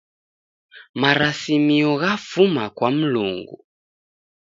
Marasimio ghafuma kwa Mlungu.